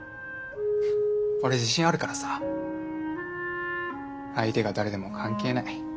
俺自信あるからさ相手が誰でも関係ない。